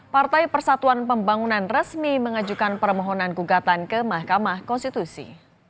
partai persatuan pembangunan resmi mengajukan permohonan gugatan ke mahkamah konstitusi